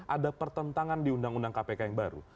ada pertentangan di undang undang kpk yang baru